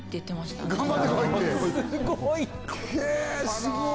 すごい！